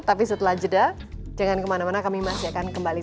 tapi setelah jeda jangan kemana mana kami masih akan kembali